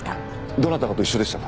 どなたかと一緒でしたか？